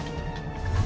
nih ini udah gampang